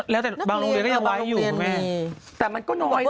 แล้วแต่บางโรงเรียนก็ยังไว้อยู่